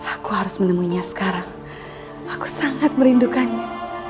aku harus menemuinya sekarang aku sangat merindukannya